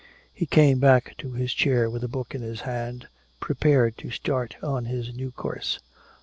He came back to his chair with a book in his hand, prepared to start on his new course.